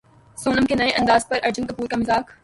سونم کے نئے انداز پر ارجن کپور کا مذاق